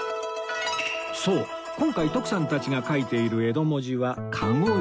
そう今回徳さんたちが書いている江戸文字は籠字